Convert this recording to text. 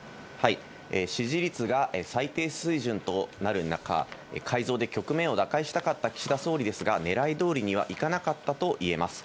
支持率が最低水準となる中、改造で局面を打開したかった岸田総理ですが、ねらいどおりにはいかなかったといえます。